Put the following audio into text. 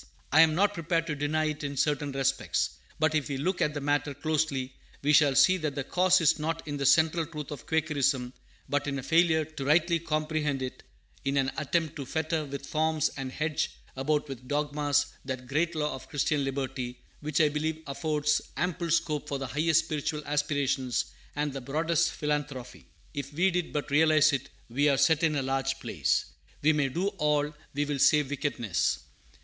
I am not prepared to deny it in certain respects. But, if we look at the matter closely, we shall see that the cause is not in the central truth of Quakerism, but in a failure to rightly comprehend it; in an attempt to fetter with forms and hedge about with dogmas that great law of Christian liberty, which I believe affords ample scope for the highest spiritual aspirations and the broadest philanthropy. If we did but realize it, we are "set in a large place." "We may do all we will save wickedness."